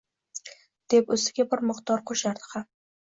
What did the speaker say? deb ustiga bir mikdor qo'shardi ham.